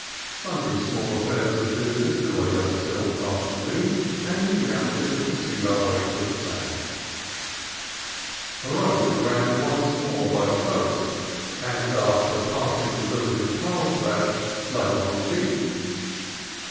Sundry small affairs of business delayed us till afternoon, when we mounted and pursued our way to the south. The road ran once more by the coast, and after passing the village of Carlsbad lay along the beach.